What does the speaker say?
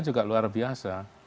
juga luar biasa